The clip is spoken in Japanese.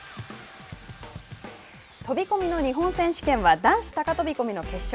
飛び込みの日本選手権は男子高飛び込みの決勝。